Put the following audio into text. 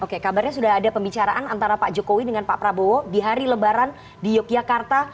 oke kabarnya sudah ada pembicaraan antara pak jokowi dengan pak prabowo di hari lebaran di yogyakarta